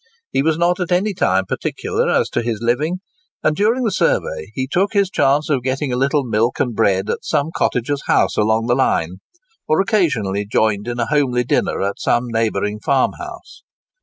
He was not at any time particular as to his living; and during the survey, he took his chance of getting a little milk and bread at some cottager's house along the line, or occasionally joined in a homely dinner at some neighbouring farmhouse.